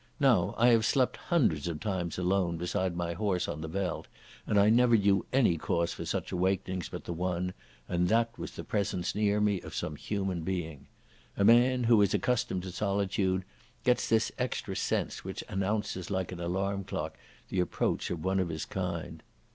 Now I have slept hundreds of times alone beside my horse on the veld, and I never knew any cause for such awakenings but the one, and that was the presence near me of some human being. A man who is accustomed to solitude gets this extra sense which announces like an alarm clock the approach of one of his kind.